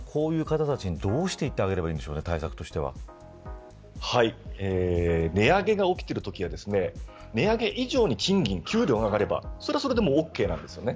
こういう方たちにどういう対応をしてあげれば値上げが起きているときは値上げ以上に賃金、給料が上がれば、それはそれでオーケーなんです。